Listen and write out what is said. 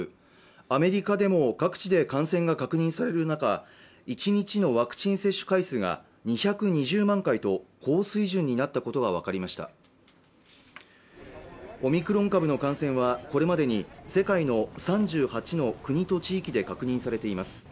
アメリカでも各地で感染が確認される中１日のワクチン接種回数が２２０万回と高水準になったことが分かりましたオミクロン株の感染はこれまでに世界の３８の国と地域で確認されています